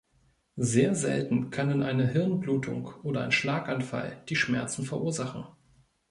Sehr selten können eine Hirnblutung oder ein Schlaganfall die Schmerzen verursachen.